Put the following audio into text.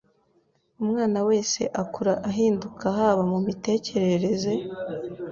Umwana wese akura ahinduka haba mu mitekerereze,